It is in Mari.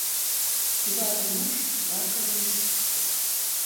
Кӱварым муш, пуракым ӱшт.